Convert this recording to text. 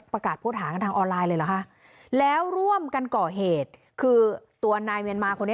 ประกาศพูดหางานทางออนไลน์เลยหรือคะแล้วร่วมกันเกาะเหตุคือไหนเมียนมา